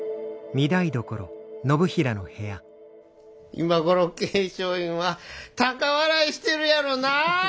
今頃桂昌院は高笑いしてるやろな。